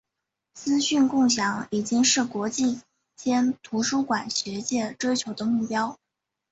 资讯共享已经是国际间图书馆学界追求的目标。